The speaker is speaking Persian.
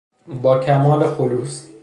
با کمال خلوص